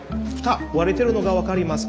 割れてるのが分かりますか？